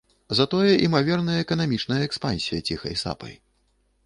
Затое імаверная эканамічная экспансія ціхай сапай.